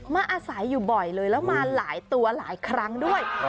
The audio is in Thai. มาอาศัยอยู่บ่อยเลยแล้วมาหลายตัวหลายครั้งด้วย